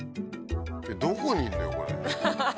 どこにいんのよこれ。